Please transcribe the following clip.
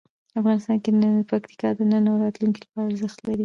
افغانستان کې پکتیا د نن او راتلونکي لپاره ارزښت لري.